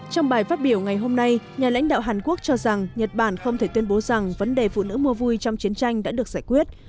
trong bài phát biểu ngày hôm nay nhà lãnh đạo hàn quốc cho rằng nhật bản không thể tuyên bố rằng vấn đề phụ nữ mua vui trong chiến tranh đã được giải quyết